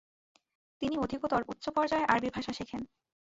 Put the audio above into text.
তিনি অধিকতর উচ্চ পর্যায়ে আরবি ভাষা শেখেন।